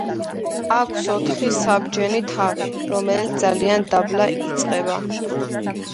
აქვს ოთხი საბჯენი თაღი, რომლებიც ძალიან დაბლა იწყება.